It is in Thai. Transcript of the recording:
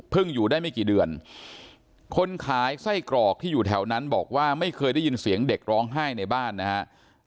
อยู่ได้ไม่กี่เดือนคนขายไส้กรอกที่อยู่แถวนั้นบอกว่าไม่เคยได้ยินเสียงเด็กร้องไห้ในบ้านนะครับ